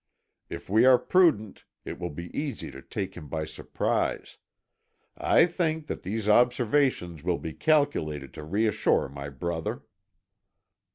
If we are prudent it will be easy to take him by surprise. I think that these observations will be calculated to reassure my brother."